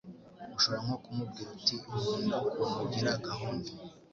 ushobora nko kumubwira uti nkunda ukuntu ugira gahunda